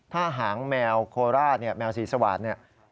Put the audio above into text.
ถ้าหางแมวโคราตนี่แมวสีสวาทนี่